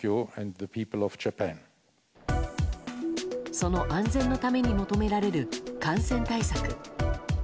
その安全のために求められる感染対策。